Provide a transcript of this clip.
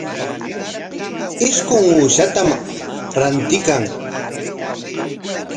Isqun uushatam rantiykan.